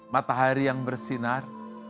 matahari yang bersinar